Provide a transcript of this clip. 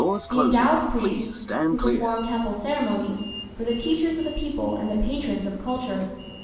The endowed priests, who performed temple ceremonies, were the teachers of the people and the patrons of culture.